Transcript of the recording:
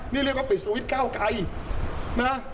นี่เรียกว่าปิดสวิทธิ์ก้าวกลายนะ